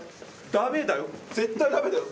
ダメだよ、絶対だめだよ！